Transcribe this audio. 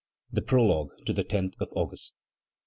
THE PROLOGUE TO THE TENTH OF AUGUST.